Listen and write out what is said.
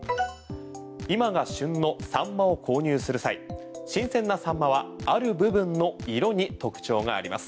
今が旬のサンマを購入する際新鮮なサンマはある部分の色に特徴があります。